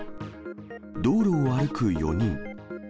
道路を歩く４人。